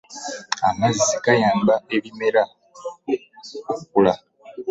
Amazzi gayamba ebimera okkula.